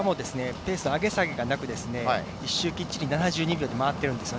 ペースの上げ下げがなく一周きっちり７２秒で回っています。